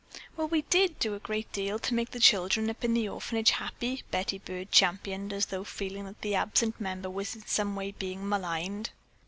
"Well, we did do a great deal to make the children up in the orphanage happy," Betty Byrd championed as though feeling that the absent member was in some way being maligned.